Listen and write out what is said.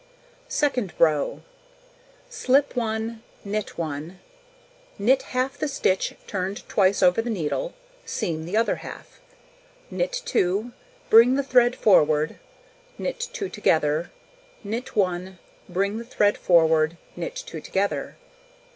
Second row: Slip 1, knit 1, knit half the stitch turned twice over the needle, seam the other half, knit 2, bring the thread forward, knit 2 together, knit 1, bring the thread forward, knit 2 together.